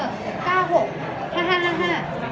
เอ้า๔ตัวต้อง